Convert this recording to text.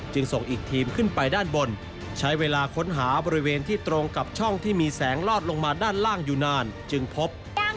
ส่งอีกทีมขึ้นไปด้านบนใช้เวลาค้นหาบริเวณที่ตรงกับช่องที่มีแสงลอดลงมาด้านล่างอยู่นานจึงพบ